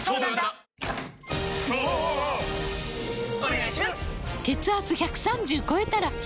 お願いします！！！